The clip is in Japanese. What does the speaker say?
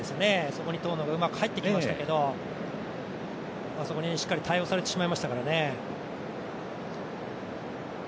そこに遠野がうまく入ってきましたけど、そこにしっかり対応されてしまいましたからね。